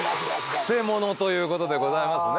クセ者ということでございますね。